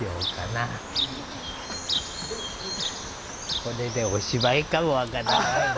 これでおしまいかも分からないぞ。